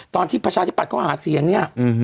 ตอนที่ประชาธิบัตรเขาหาเสียงเนี่ย